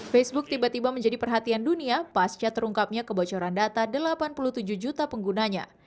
facebook tiba tiba menjadi perhatian dunia pasca terungkapnya kebocoran data delapan puluh tujuh juta penggunanya